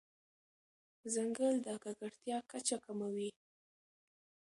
ځنګل د ککړتیا کچه کموي.